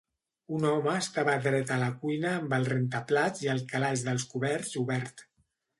Un home estava dret a la cuina amb el rentaplats i el calaix dels coberts obert.